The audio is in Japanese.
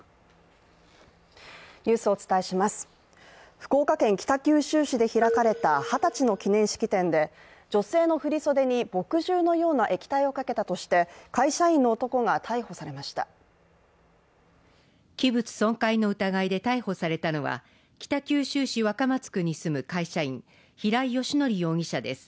福岡県北九州市で開かれた二十歳の記念式典で女性の振袖に墨汁のような液体をかけたとして会社員の男が逮捕されました器物損壊の疑いで逮捕されたのは北九州市若松区に住む会社員平井英康容疑者です